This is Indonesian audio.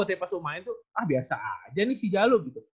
tapi pas lo main tuh ah biasa aja nih si jalo gitu